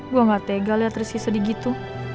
gue gak tega liat rizky sedih gitu